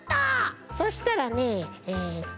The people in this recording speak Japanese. そしたらねええっと